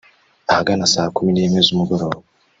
Ahagana saa kumi n’imwe z’umugoroba